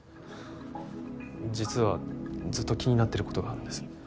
実はずっと気になってることがあるんです。